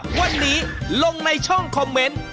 วันนี้ลงในช่องคอมเมนต์